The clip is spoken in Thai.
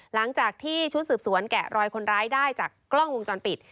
หลังจากที่ชุดสืบสวนแกะรอยคนร้ายได้จากกล้องวงจรปิด